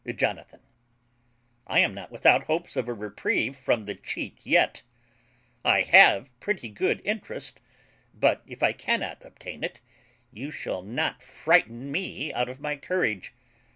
JONATHAN. I am not without hopes of a reprieve from the cheat yet. I have pretty good interest; but if I cannot obtain it, you shall not frighten me out of my courage.